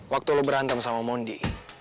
waktu lo berantem sama mondi